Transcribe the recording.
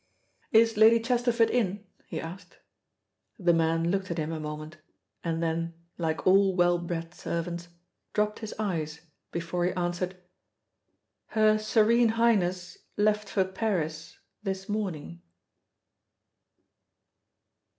"Is Lady Chesterford in?" he asked. The man looked at him a moment, and then, like all well bred servants, dropped his eyes before he answered, "Her Serene Highness left for Paris this morning."